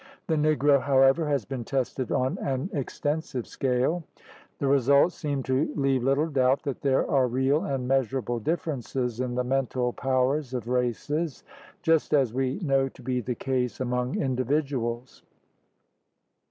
The Negro, however, has been tested on an extensive scale. The results seem to leave little doubt that there are real and measurable differences in the mental powers of races, just as we know to be the case among individuals.